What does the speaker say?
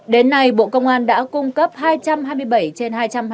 đến nay bộ công an đã cung cấp hai trăm hai mươi bảy trên hai trăm hai mươi